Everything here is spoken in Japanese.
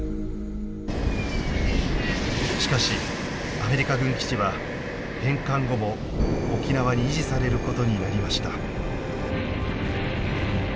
しかしアメリカ軍基地は返還後も沖縄に維持されることになりました。